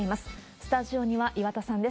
スタジオには岩田さんです。